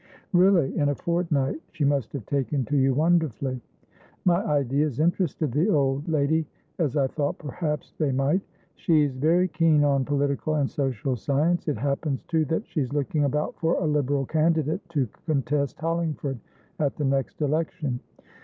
"Really? In a fortnight? She must have taken to you wonderfully." "My ideas interested the old lay as I thought perhaps they might. She's very keen on political and social science. It happens, too, that she's looking about for a Liberal candidate to contest Hollingford at the next election."